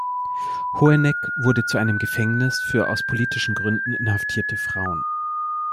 Hoheneck wurde zu einem Gefängnis für aus politischen Gründen inhaftierte Frauen.